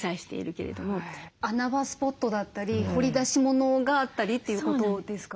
穴場スポットだったり掘り出し物があったりということですか？